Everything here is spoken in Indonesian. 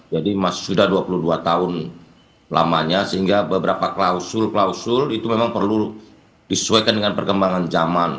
jadi sudah dua puluh dua tahun lamanya sehingga beberapa klausul klausul itu memang perlu disesuaikan dengan perkembangan zaman